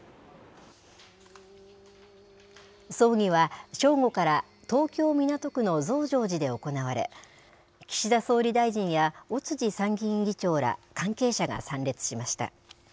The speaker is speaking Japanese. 葬儀は正午から東京・港区の増上寺で行われ、岸田総理大臣や尾辻参議院議長ら、関係者が参列しました。